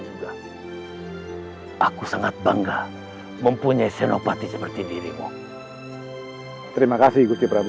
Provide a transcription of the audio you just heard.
juga aku sangat bangga mempunyai senopati seperti dirimu terima kasih gusti prabu